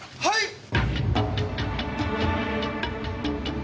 はい。